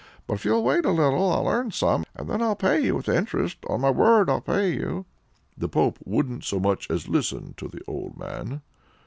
But if you'll wait a little, I'll earn some, and then I'll pay you with interest on my word I'll pay you!" The pope wouldn't so much as listen to the old man.